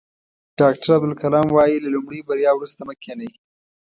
ډاکټر عبدالکلام وایي له لومړۍ بریا وروسته مه کینئ.